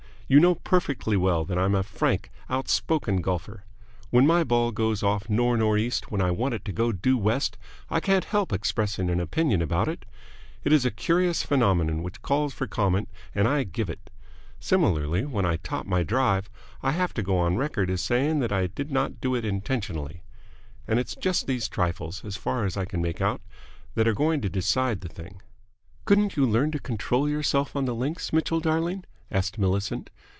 You know perfectly well that I'm a frank, outspoken golfer. When my ball goes off nor' nor' east when I want it to go due west I can't help expressing an opinion about it. It is a curious phenomenon which calls for comment, and I give it. Similarly, when I top my drive, I have to go on record as saying that I did not do it intentionally. And it's just these trifles, as far as I can make out, that are going to decide the thing." "Couldn't you learn to control yourself on the links, Mitchell, darling?" asked Millicent.